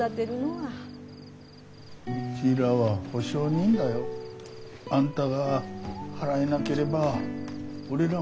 ・うちらは保証人だよ。あんたが払えなければ俺らも道連れになる。